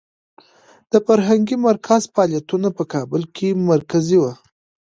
د فرهنګي مرکز فعالیتونه په کابل کې مرکزي و.